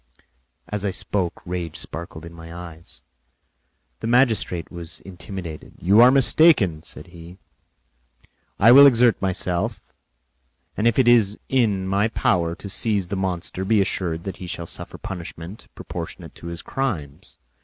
As I spoke, rage sparkled in my eyes; the magistrate was intimidated. "You are mistaken," said he. "I will exert myself, and if it is in my power to seize the monster, be assured that he shall suffer punishment proportionate to his crimes.